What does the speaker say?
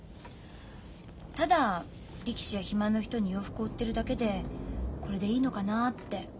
ただ力士や肥満の人に洋服を売ってるだけでこれでいいのかなって。